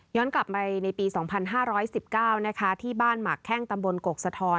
ย้อนกลับไปในปีสองพันห้าร้อยสิบเก้านะคะที่บ้านหมักแข้งตำบลกกษทร